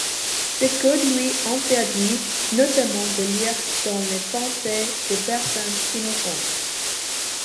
Ce code lui interdit notamment de lire dans les pensées de personnes innocentes.